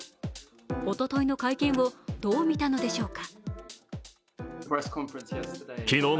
おとといの会見をどう見たのでしょうか。